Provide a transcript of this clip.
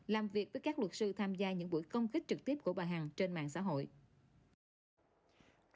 làm việc với các luật sư tham gia những buổi công kích trực tiếp của bà hằng trên mạng xã hội